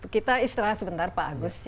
kita istirahat sebentar pak agus